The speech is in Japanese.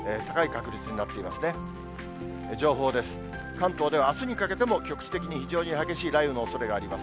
関東ではあすにかけても局地的に非常に激しい雷雨のおそれがあります。